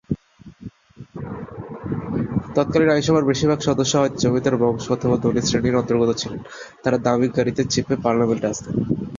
তৎকালীন আইনসভার বেশির ভাগ সদস্য হয়তো জমিদার বংশ অথবা ধনী শ্রেণীর অন্তর্গত ছিলেন, তারা দামী গাড়িতে চেপে পার্লামেন্ট আসতেন।